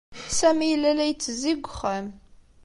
Sami yella la yettezzi deg uxxam.